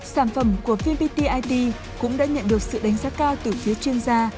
sản phẩm của vpt it cũng đã nhận được sự đánh giá cao từ phía chuyên gia